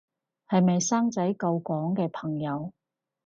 係咪生仔救港嘅朋友